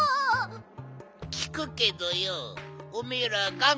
きくけどよおめえらがん